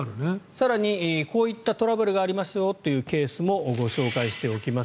更にこういったトラブルがありますよというケースもご紹介しておきます。